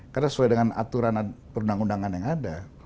karena sesuai dengan aturan perundang undangan yang ada